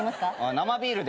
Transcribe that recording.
生ビールで。